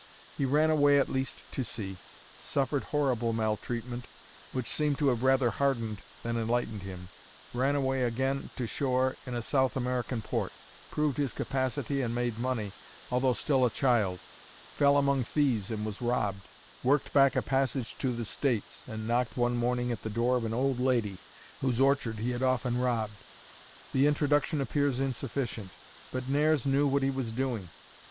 He ran away at least to sea; suffered horrible maltreatment, which seemed to have rather hardened than enlightened him; ran away again to shore in a South American port; proved his capacity and made money, although still a child; fell among thieves and was robbed; worked back a passage to the States, and knocked one morning at the door of an old lady whose orchard he had often robbed. The introduction appears insufficient; but Nares knew what he was doing.